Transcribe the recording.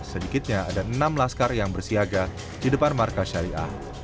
sedikitnya ada enam laskar yang bersiaga di depan markas syariah